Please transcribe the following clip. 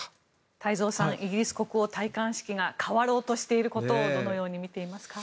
太蔵さんイギリス国王戴冠式が変わろうとしていることをどのように見ていますか。